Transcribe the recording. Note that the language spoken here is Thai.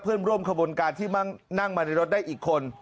เพื่อนร่วมขบวนการที่นั่งมาในรถได้อีกคน